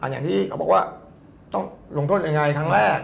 อย่างที่เขาบอกว่าต้องลงโทษยังไงครั้งแรก